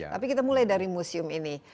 tapi kita mulai dari museum ini